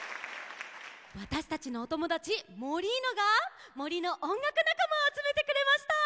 わたしたちのおともだちモリーノがもりのおんがくなかまをあつめてくれました！